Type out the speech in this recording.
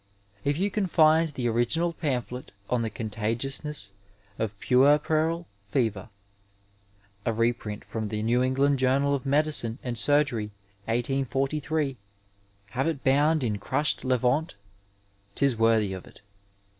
If you can find the original pamphlet on the Contagiousness of Puerperal Fever, a reprint from the New England Journal of Medicine and Surgery, 1843, have it bound in crushed levant — ^'tis worthy of it.